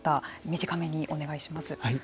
短めにお願いします。